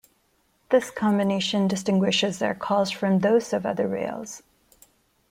This combination distinguishes their calls from those of other whales.